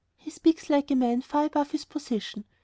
He speaks like a man far above his position.